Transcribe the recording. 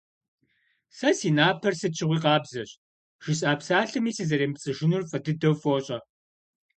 Сэ си напэр сыт щыгъуи къабзэщ, жысӀа псалъэми сызэремыпцӀыжынур фӀы дыдэу фощӀэ.